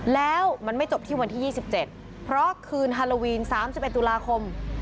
แล้วมันไม่จบที่วันที่๒๗เพราะคืนฮาโลวีน๓๑ตุลาคม